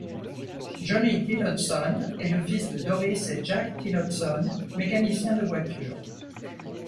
Johnny Tillotson est le fils de Doris et Jack Tillotson, mécanicien de voitures.